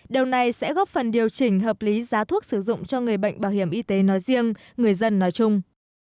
điều này sẽ góp phần điều chỉnh hợp lý giá thuốc sử dụng cho người bệnh bảo hiểm y tế nói riêng người dân nói chung